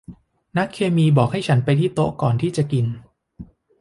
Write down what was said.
นักเคมีบอกให้ฉันไปที่โต๊ะก่อนที่จะกิน